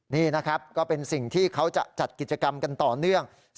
นี่นะครับก็เป็นสิ่งที่เขาจะจัดกิจกรรมกันต่อเนื่อง